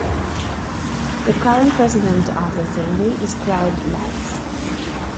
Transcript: The current president of the assembly is Claude Lise.